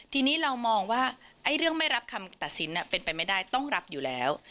ทีนี้เรามองว่าเรื่องไม่รับคำตัดสินเป็นไปไม่ได้ต้องรับอยู่แล้ว